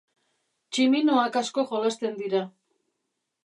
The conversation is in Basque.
Tximinoak asko jolasten dira.